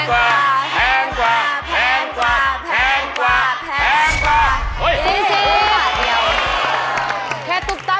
แพงกว่าแพงกว่าแพงกว่าแพงกว่าเฮ้ย